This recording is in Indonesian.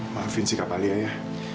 maafin sih kak palia ya